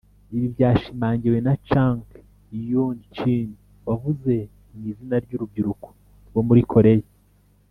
Ibi byashimangiwe na Chung Kyun Shin wavuze mu izina ry’urubyiruko rwo muri Koreya